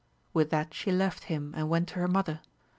With that she left him and went to her mother.